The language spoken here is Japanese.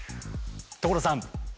所さん！